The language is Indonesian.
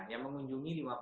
yang mengunjungi di mana mana